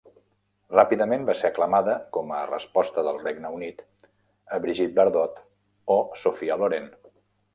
Ràpidament va ser aclamada com a resposta del Regne Unit a Brigitte Bardot o Sophia Loren.